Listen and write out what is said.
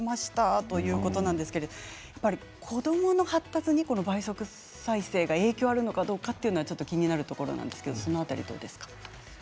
ということなんですが子どもの発達に倍速再生が影響あるかどうか気になるところなんですけれども、どうですか。